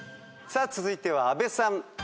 続いては阿部さん。